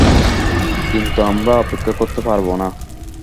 কিন্তু আমরা অপেক্ষা করতে পারব না।